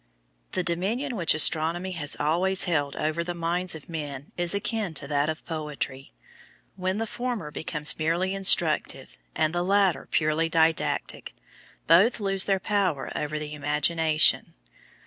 The dominion which astronomy has always held over the minds of men is akin to that of poetry; when the former becomes merely instructive and the latter purely didactic, both lose their power over the imagination.